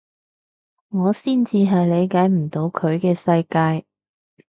我先至係理解唔到佢嘅世界